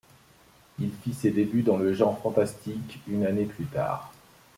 Il fit ses débuts dans le genre fantastique une année plus tard.